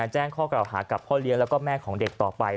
แจ้งข้อกล่าวหากับพ่อเลี้ยงแล้วก็แม่ของเด็กต่อไป